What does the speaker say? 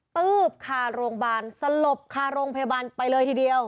ตื๊บคาโรงพยาบาลสลบคาโรงพยาบาลไปเลยทีเดียว